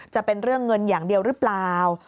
จะเป็นเรื่องเงินอย่างเดียวหรือเปล่า